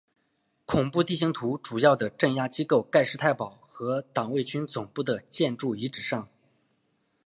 恐怖地形图主要的镇压机构盖世太保和党卫军总部的建筑遗址上。